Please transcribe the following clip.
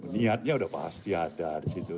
niatnya udah pasti ada disitu